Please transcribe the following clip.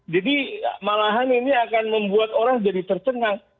jadi malahan ini akan membuat orang jadi tercengang